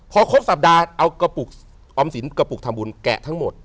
พอครบสัปดาห์เอากระปุกออมสินกระปุกทำบุญแกะทั้งหมด